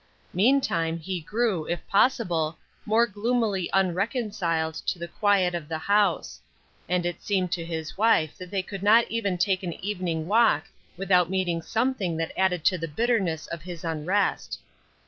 Meantime, he grew, if possible, more gloomily unreconciled to the quiet of the house ; and it seemed to his wife that they could not even take an evening walk without meeting something that added to the bitterness of his unrest.